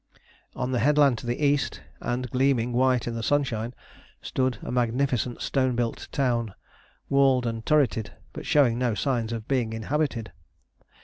On the headland to the east, and gleaming white in the sunshine, stood a magnificent stone built town, walled and turreted, but showing no signs of being inhabited.